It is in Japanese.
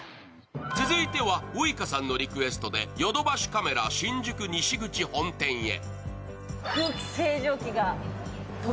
続いてはウイカさんのリクエストでヨドバシカメラ新宿西口本店へ。